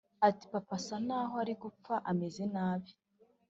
ati"papa asa naho arigupfa ameze nabi